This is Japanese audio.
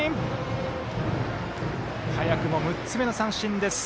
早くも６つ目の三振。